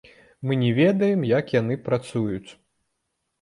Мы не ведаем, як яны працуюць.